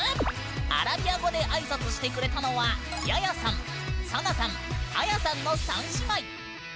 アラビア語であいさつしてくれたのはヤヤさん、サナさんアヤさんの３姉妹。